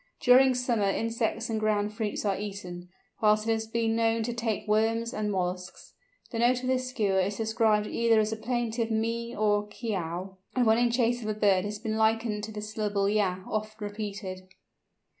During summer insects and ground fruits are eaten, whilst it has been known to take worms and molluscs. The note of this Skua is described either as a plaintive mee or kyow, and when in chase of a bird it has been likened to the syllable yah, oft repeated.